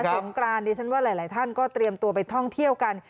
สงกรานดิฉันว่าหลายท่านก็เตรียมตัวไปท่องเที่ยวกัน